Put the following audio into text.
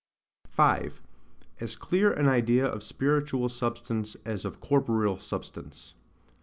5. As clear an Idea of spiritual substance as of corporeal substance.